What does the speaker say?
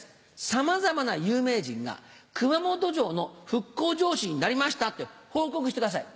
さまざまな有名人が熊本城の復興城主になりましたって報告してください。